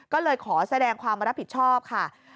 ก็เลยขอแสดงความรับผิดชอบค่ะ